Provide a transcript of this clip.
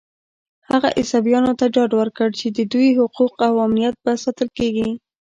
هغه عیسویانو ته ډاډ ورکړ چې د دوی حقوق او امنیت به ساتل کېږي.